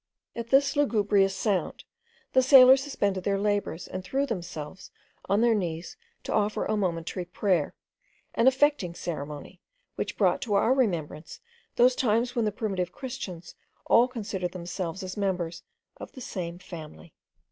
At this lugubrious sound, the sailors suspended their labours, and threw themselves on their knees to offer a momentary prayer: an affecting ceremony, which brought to our remembrance those times when the primitive christians all considered themselves as members of the same family.